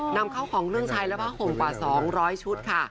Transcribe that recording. นำข้าวของเและภาคโครงกว่า๒๐๐ชุดค่ะ